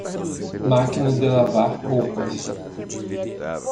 Máquina de lavar roupas.